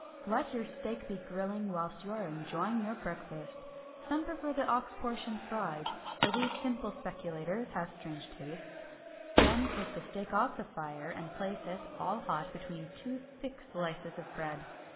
Let your steak be grilling, whilst you are enjoying your breakfast some prefer the ox portion fried, for these simple speculators have strange tastes then take the steak off the fire and place it, all hot, between two thick slices of bread.